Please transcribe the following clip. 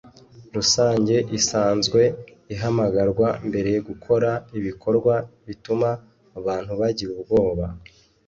rusange isanzwe ihamagarwa mbere gukora ibikorwa bituma abantu bagira ubwoba